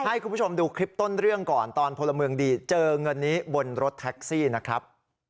ให้คุณผู้ชมดูคลิปต้นเรื่องก่อนตอนพลเมืองดีเจอเงินนี้บนรถแท็กซี่นะครับ